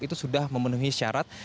itu sudah memenuhi syarat